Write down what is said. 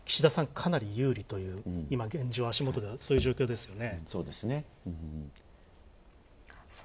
かなり有利という今、現状、足元はそういう状況ですよね。